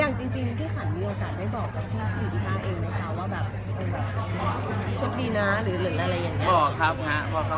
อย่างจริงพี่ขันมีโอกาสให้บอกกับพี่สีที่๕เองนะครับ